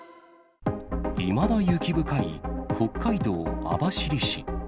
いまだ雪深い北海道網走市。